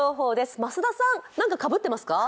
増田さん、何かかぶってますか？